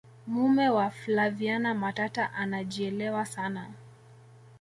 mume wa flaviana matata anaejielewa sana